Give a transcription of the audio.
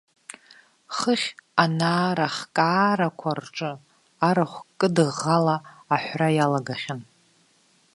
Хыхь анаарахкаарақәа рҿы арахә кыдыӷӷала аҳәра иалагахьан.